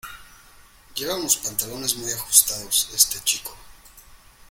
Lleva unos pantalones muy ajustados, este chico.